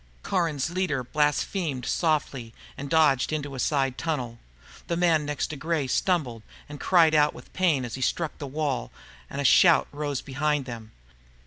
Caron's leader blasphemed softly and dodged into a side tunnel. The man next to Gray stumbled and cried out with pain as he struck the wall, and a shout rose behind them.